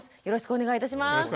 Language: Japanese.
よろしくお願いします。